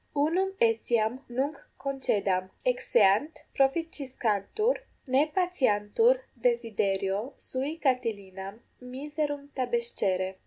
Unum etiam nunc concedam: exeant, proficiscantur, ne patiantur desiderio sui Catilinam miserum tabescere.